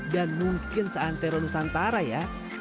dan mungkin seantero nusantara ya